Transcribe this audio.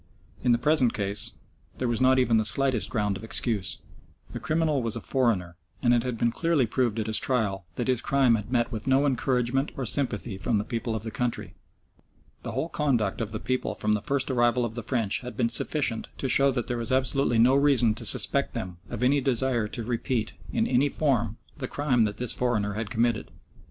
In the present case there was not even the slightest ground of excuse. The criminal was a foreigner, and it had been clearly proved at his trial that his crime had met with no encouragement or sympathy from the people of the country. The whole conduct of the people from the first arrival of the French had been sufficient to show that there was absolutely no reason to suspect them of any desire to repeat, in any form, the crime that this foreigner had committed.